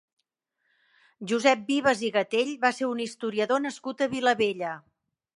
Josep Vives i Gatell va ser un historiador nascut a Vilabella.